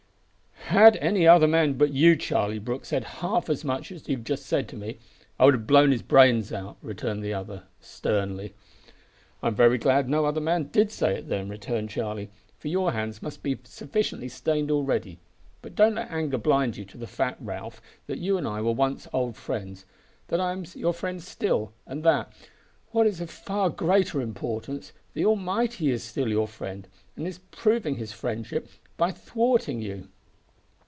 "Had any other man but you, Charlie Brooke, said half as much as you have just said to me, I would have blown his brains out," returned the outlaw sternly. "I'm very glad no other man did say it, then," returned Charlie, "for your hands must be sufficiently stained already. But don't let anger blind you to the fact, Ralph, that you and I were once old friends; that I am your friend still, and that, what is of far greater importance, the Almighty is still your friend, and is proving His friendship by thwarting you."